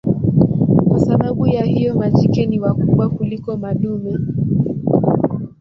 Kwa sababu ya hiyo majike ni wakubwa kuliko madume.